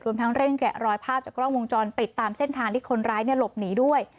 ทั้งเร่งแกะรอยภาพจากกล้องวงจรปิดตามเส้นทางที่คนร้ายหลบหนีด้วย